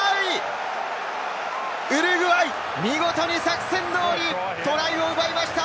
ウルグアイ、見事に作戦通りトライを奪いました。